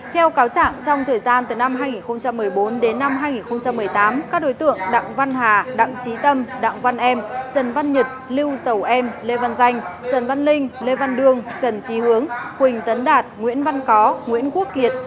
theo cáo trạng trong thời gian từ năm hai nghìn một mươi bốn đến năm hai nghìn một mươi tám các đối tượng đặng văn hà đặng trí tâm đặng văn em trần văn nhật lưu sầu em lê văn danh trần văn linh lê văn đương trần trí hướng quỳnh tấn đạt nguyễn văn có nguyễn quốc kiệt